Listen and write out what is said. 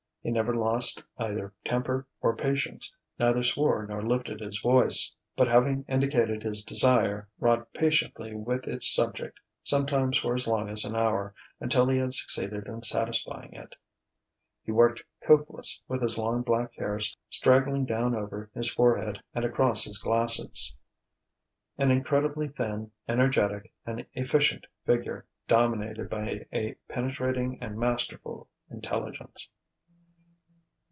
He never lost either temper or patience, neither swore nor lifted his voice; but having indicated his desire, wrought patiently with its subject, sometimes for as long as an hour, until he had succeeded in satisfying it. He worked coatless, with his long black hair straggling down over his forehead and across his glasses: an incredibly thin, energetic, and efficient figure, dominated by a penetrating and masterful intelligence.